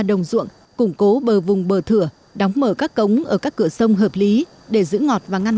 đồng ruộng củng cố bờ vùng bờ thửa đóng mở các cống ở các cửa sông hợp lý để giữ ngọt và ngăn